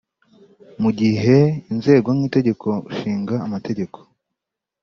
mu gihe inzego nk’inteko ishinga amategeko